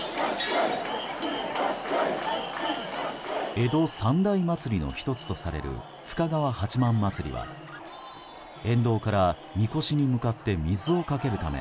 江戸三大祭りの１つとされる深川八幡祭りは沿道からみこしに向かって水をかけるため